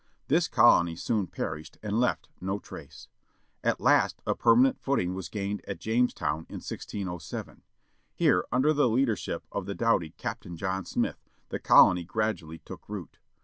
This colony soon perished, and left no trace. At last a permanent footing was gained at Jamestown in 1607. Here under the leadership of the doughty Captain John Smith the colony gradually took root.